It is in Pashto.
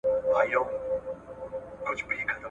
که کمپيوټر پوهنه زده نه کړئ، له نړۍ وروسته پاته کيږئ.